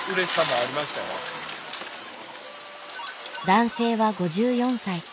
男性は５４歳。